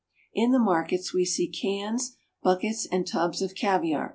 In the markets we see cans, buckets, and tubs of caviar.